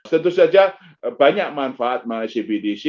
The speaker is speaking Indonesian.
tentu saja banyak manfaat bank indonesia cbdc